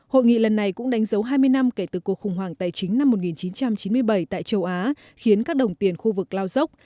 hội nghị lần này cũng đánh dấu hai mươi năm kể từ cuộc khủng hoảng tài chính năm một nghìn chín trăm chín mươi bảy tại châu á khiến các đồng tiền khu vực lao dốc